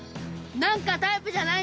「“タイプじゃない”？